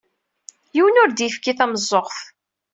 Yiwen ur d-yefki tameẓẓuɣt.